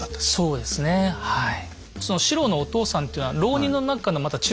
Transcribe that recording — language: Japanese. そうですねはい。